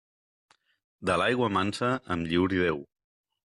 De l'aigua mansa em lliuri Déu.